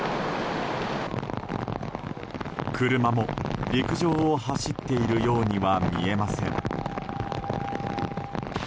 車も陸上を走っているようには見えません。